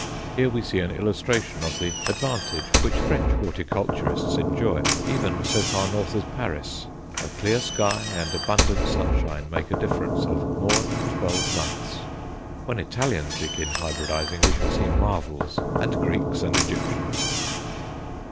Here we see an illustration of the advantage which French horticulturists enjoy, even so far north as Paris; a clear sky and abundant sunshine made a difference of more than twelve months. When Italians begin hybridizing, we shall see marvels and Greeks and Egyptians!